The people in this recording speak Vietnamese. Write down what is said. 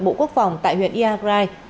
bộ quốc phòng tại huyện iagrai